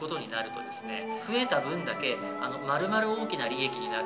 増えた分だけ丸々大きな利益になると。